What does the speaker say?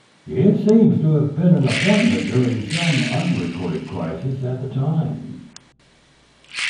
It seems to have been an appointment during some unrecorded crisis at the time.